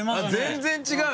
全然違う！